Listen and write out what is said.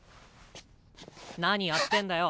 何やってんだよ。